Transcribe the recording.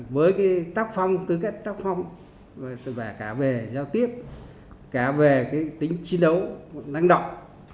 với tác phong tư cách tác phong cả về giao tiếp cả về tính chiến đấu lãnh động